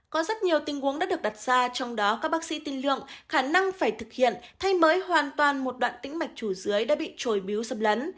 có rất nhiều tình huống đã được đặt ra trong đó các bác sĩ tin lượng khả năng phải thực hiện thay mới hoàn toàn một đoạn tĩnh mạch chủ dưới đã bị trồi miếu xâm lấn